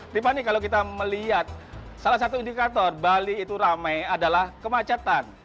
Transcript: tiffany kalau kita melihat salah satu indikator bali itu ramai adalah kemacetan